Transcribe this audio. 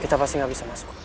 kita pasti nggak bisa masuk